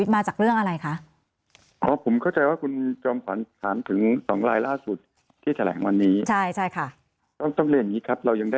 ที่แถลงวันนี้ต้องเรียนอย่างนี้ค่ะ